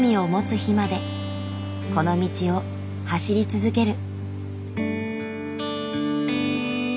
この道を走り続ける。